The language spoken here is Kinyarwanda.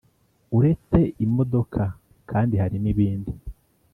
uretse imodoka kandi hari nibindi